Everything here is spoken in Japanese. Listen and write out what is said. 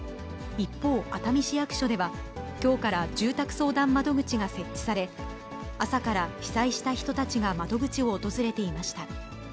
一方、熱海市役所では、きょうから住宅相談窓口が設置され、朝から被災した人たちが窓口を訪れていました。